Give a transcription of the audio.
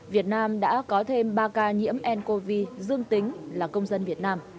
việt nam đã có thêm ba ca nhiễm ncov dương tính là công dân việt nam